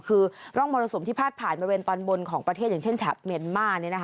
คือร่องมรสุมที่พาดผ่านบริเวณตอนบนของประเทศอย่างเช่นแถบเมียนมาร์